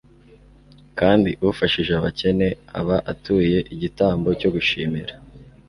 kandi ufashije abakene, aba atuye igitambo cyo gushimira